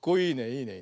いいね。